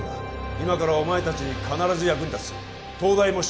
今からお前達に必ず役に立つ東大模試